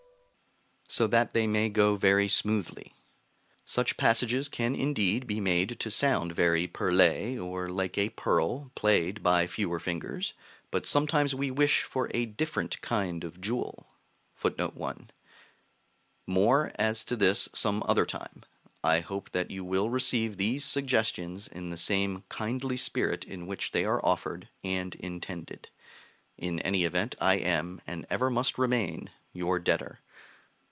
so that they may go very smoothly; such passages can indeed be made to sound very perlés, or like a pearl, played by fewer fingers, but sometimes we wish for a different kind of jewel. More as to this some other time. I hope that you will receive these suggestions in the same kindly spirit in which they are offered and intended. In any event I am, and ever must remain, your debtor.